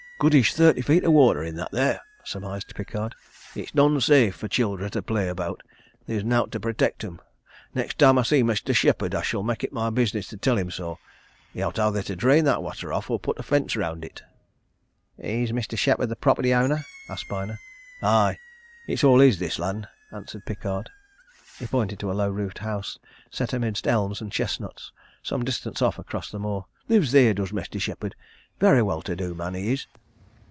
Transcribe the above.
"Goodish thirty feet o' water in that there!" surmised Pickard. "It's none safe for childer to play about theer's nowt to protect 'em. Next time I see Mestur Shepherd I shall mak' it my business to tell him so; he owt either to drain that watter off or put a fence around it." "Is Mr. Shepherd the property owner?" asked Byner. "Aye! it's all his, this land," answered Pickard. He pointed to a low roofed house set amidst elms and chestnuts, some distance off across the moor. "Lives theer, does Mestur Shepherd varry well to do man, he is."